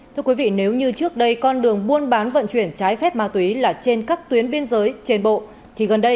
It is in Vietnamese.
thưa quý vị nếu như trước đây con đường buôn bán vận chuyển trái phép ma túy là trên các tuyến biên giới trên bộ